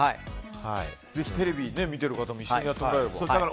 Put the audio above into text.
ぜひテレビを見てる方も一緒にやっていたければ。